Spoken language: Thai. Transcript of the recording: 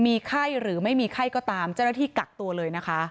มีไข้หรือไม่มีไข้ก็ตามเจ้าหน้าที่กักตัวเลยนะคะ